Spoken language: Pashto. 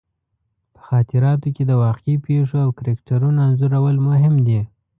په خاطراتو کې د واقعي پېښو او کرکټرونو انځورول مهم دي.